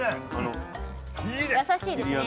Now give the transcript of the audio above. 優しいですね